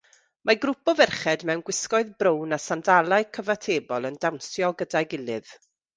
Mae grŵp o ferched mewn gwisgoedd brown a sandalau cyfatebol yn dawnsio gyda'i gilydd.